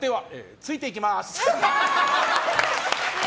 ついていきまーす！